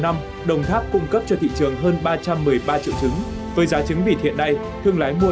năm đồng tháp cung cấp cho thị trường hơn ba trăm một mươi ba triệu chứng với giá trứng vịt hiện nay thương lái mua